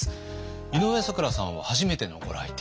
井上咲楽さんは初めてのご来店。